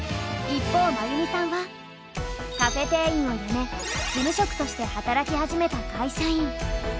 一方まゆみさんはカフェ店員を辞め事務職として働き始めた会社員。